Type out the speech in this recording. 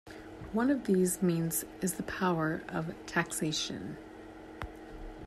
One of these means is the power of taxation.